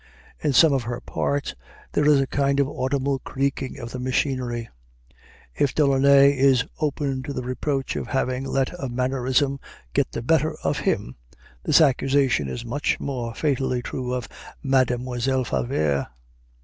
In some of her parts there is a kind of audible creaking of the machinery. If Delaunay is open to the reproach of having let a mannerism get the better of him, this accusation is much more fatally true of Mademoiselle Favart.